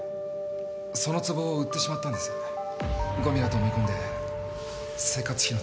そのつぼを売ってしまったんですごみだと思い込んで生活費のために。